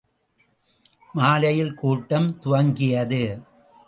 மாலையில் கூட்டம் துவங்கியது.